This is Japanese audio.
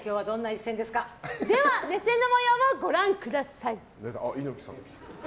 では熱戦の模様をご覧ください。